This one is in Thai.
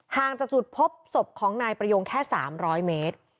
ห่างจากจุดพบศพของนายประโยงแค่๓๐๐เมตร